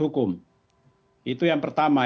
hukum itu yang pertama